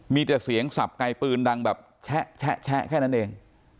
มีแต่เสียงสับไกลปืนดังแบบแชะแค่นั้นเอง